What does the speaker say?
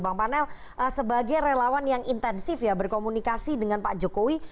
bang panel sebagai relawan yang intensif ya berkomunikasi dengan pak jokowi